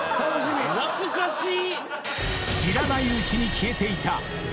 懐かしっ！